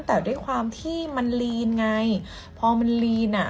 แต่ด้วยความที่มันลีนไงพอมันลีนอ่ะ